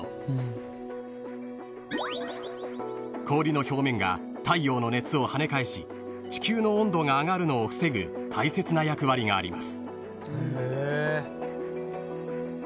［氷の表面が太陽の熱をはね返し地球の温度が上がるのを防ぐ大切な役割があります］